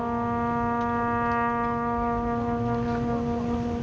เพลงที่๑๐ทรงโปรด